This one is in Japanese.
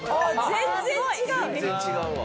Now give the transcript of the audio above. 全然違うわ。